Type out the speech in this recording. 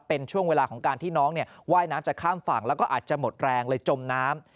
เป็นช่วงเวลาของการที่น้องว่ายน้ำจะข้ามฝั่งแล้วก็อาจจะหมดแรงเลยจมน้ำ